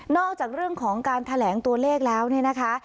จากเรื่องของการแถลงตัวเลขแล้วเนี่ยนะคะ